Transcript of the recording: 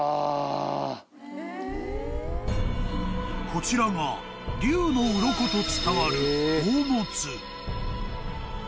［こちらが龍の鱗と伝わる宝物］